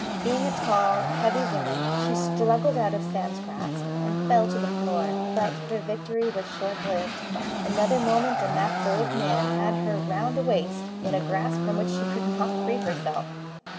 Being a tall, heavy woman, she struggled out of Sam's grasp and fell to the floor; but her victory was short lived. Another moment and that bold man had her round the waist, in a grasp from which she could not free herself.